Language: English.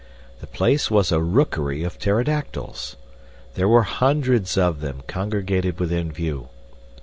The place was a rookery of pterodactyls. There were hundreds of them congregated within view.